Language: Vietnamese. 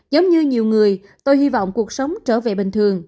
giống như nhiều người tôi hy vọng cuộc sống trở về bình thường